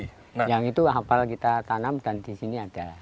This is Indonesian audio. yang itu hafal kita tanam dan di sini ada